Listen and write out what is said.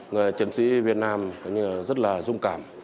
người chiến sĩ việt nam rất là dũng cảm